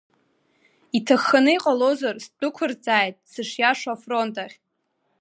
Иаҭахханы иҟалозар сдәықәырҵааит сышиашоу афронт ахь.